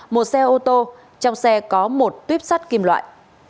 một xe ô tô trong xe có một tuyếp sắt kim loại